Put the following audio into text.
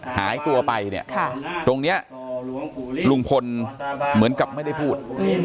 หายตัวไปเนี่ยตรงนี้ลุงพลเหมือนกับไม่ได้พูด